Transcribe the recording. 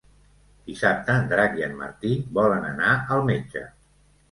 Dissabte en Drac i en Martí volen anar al metge.